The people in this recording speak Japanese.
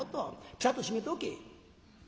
ちゃんと閉めておけ」。